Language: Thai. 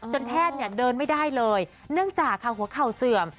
จนแทนเดินไม่ได้เลยเพราะหัวเข่าเสื่อม